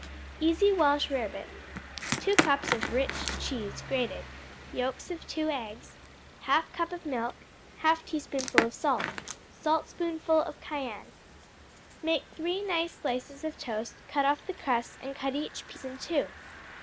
Easy Welsh Rarebit 2 cups of rich cheese, grated. Yolks of two eggs. 1/2 cup of milk. 1/2 teaspoonful of salt. Saltspoonful of cayenne. Make three nice slices of toast, cut off the crusts, and cut each piece in two.